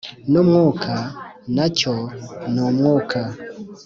N umwuka na cyo ni umwuka